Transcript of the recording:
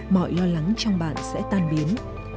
mọi lo lắng trong bạn sẽ tan biến